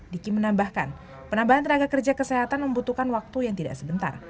diki menambahkan penambahan tenaga kerja kesehatan membutuhkan waktu yang tidak sebentar